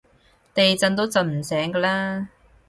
地震都震唔醒㗎喇